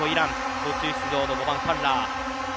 途中出場の５番ファッラー。